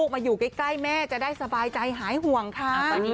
มาอยู่ใกล้แม่จะได้สบายใจหายห่วงค่ะ